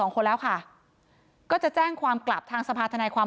คนแล้วค่ะก็จะแจ้งความกลับทางสภาธนายความ